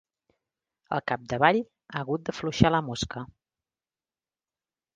Al capdavall, ha hagut d'afluixar la mosca.